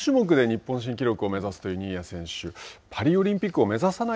４種目で日本新記録を目指すという新谷選手。